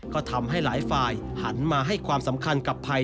ก็ทำให้หลายฝ่ายหันมาให้ความสำคัญกับภัย